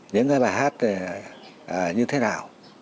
những cái bài hát như thế nào